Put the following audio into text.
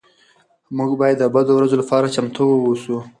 موږ باید د بدو ورځو لپاره چمتو اوسو.